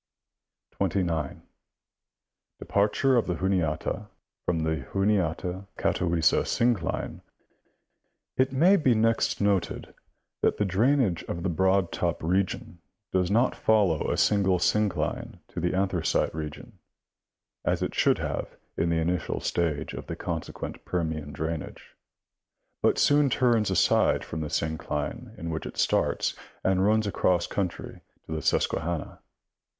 29. Departure of the Juniata from the Juniata Gatawissa syii cline. — It may be next noted that the drainage of the Broad Top region does not follow a single syncline to the Anthracite region, as it should have in the initial stage of the consequent Permian drainage, but soon turns aside from the syncline in which it starts and runs across country to the Susquehanna.